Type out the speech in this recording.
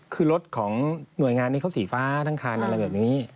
คือรถของหน่วยงานนี้เขาสีฟ้าทั้งคันอะไรแบบนี้